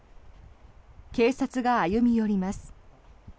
警察が歩み寄ります。